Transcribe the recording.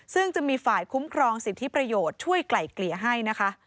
ซึ่งจะมีฝ่ายคุ้มครองสิทธิประโยชน์ช่วยไกล่เกลี่ยให้นะคะ